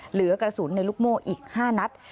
เหลือกระสุนในลูกโม่อีก๕นัด